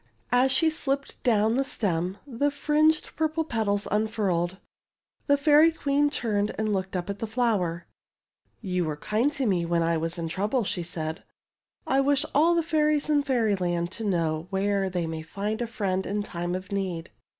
As she slipped down the stem the fringed pur ple petals unfurled. The Fairy Queen turned and looked up at the flower. FOR A NIGHT'S SHELTER 239 ^* You were kind to me when I was in trouble/' she said. '' I wish all the fairies in Fairyland to know where they may find a friend in time of need.